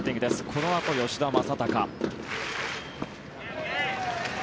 このあと、吉田正尚。